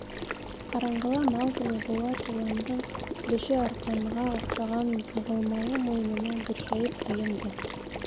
Ҡараңғыла Маугли быуар йыландың беше арҡанға оҡшаған һығылмалы муйынына бөршәйеп һыйынды.